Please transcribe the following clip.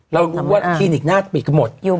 เรารู้ว่าคลีนิกหน้าเปลี่ยงหมด